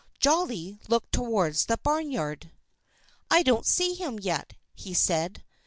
Jolly looked towards the barnyard. "I don't see him yet," he said.